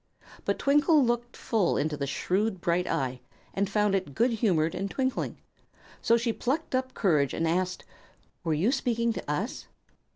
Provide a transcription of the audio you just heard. But Twinkle looked full into the shrewd, bright eye, and found it good humored and twinkling; so she plucked up courage and asked: "Were you speaking to us?"